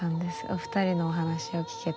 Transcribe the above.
お二人のお話を聞けて。